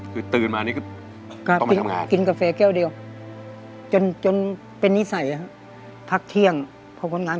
คือตื่นมาอันนี้ก็ต้องมาทำงาน